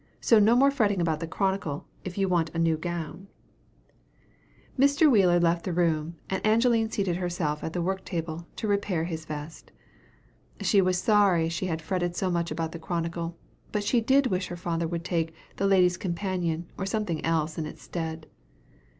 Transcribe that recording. So no more fretting about the Chronicle, if you want a new gown." Mr. Wheeler left the room, and Angeline seated herself at the work table, to repair his vest. She was sorry she had fretted so much about the Chronicle; but she did wish her father would take the "Ladies' Companion," or something else, in its stead.